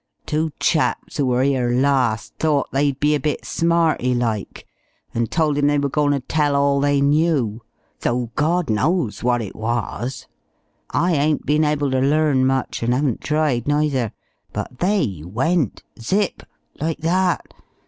Two chaps who were 'ere larst thought they'd be a bit smarty like, and told 'im they were goin' ter tell all they knew though God knows what it was! I ain't been able to learn much, and haven't tried neither. But they went zip! like that!